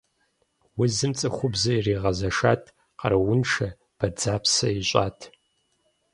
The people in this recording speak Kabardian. Узым цӏыхубзыр иригъэзэшат, къарууншэ, бадзэпсэ ищӏат.